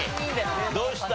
どうした？